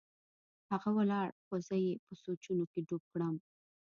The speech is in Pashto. هغه ولاړ خو زه يې په سوچونو کښې ډوب کړم.